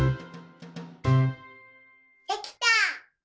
できた！